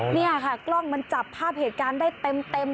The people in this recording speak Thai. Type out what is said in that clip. นี่ค่ะกล้องมันจับภาพเหตุการณ์ได้เต็ม